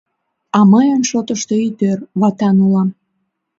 А мыйын шотышто ит ӧр, ватан улам.